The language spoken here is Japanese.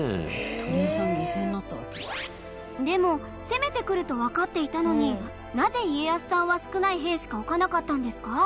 「鳥居さん犠牲になったわけ」でも攻めてくるとわかっていたのになぜ家康さんは少ない兵しか置かなかったんですか？